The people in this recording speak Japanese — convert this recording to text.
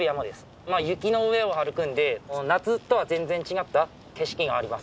まあ雪の上を歩くんで夏とは全然違った景色があります。